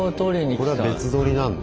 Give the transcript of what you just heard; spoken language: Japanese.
これは別撮りなんだ。